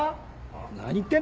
何言ってんだ